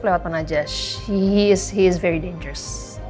lewat menajah dia sangat berbahaya